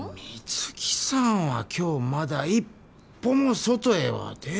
水木さんは今日まだ一歩も外へは出ちょらん。